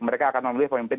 mereka akan memilih pemimpin